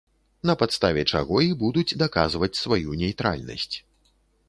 На падставе чаго і будуць даказваць сваю нейтральнасць.